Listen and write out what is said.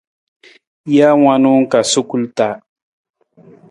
Jee wanung ka sukul taa.